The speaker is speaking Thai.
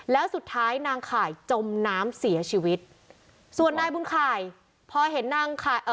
แล้วสุดท้ายนางข่ายจมน้ำเสียชีวิตส่วนนายบุญข่ายพอเห็นนางข่ายเอ่อ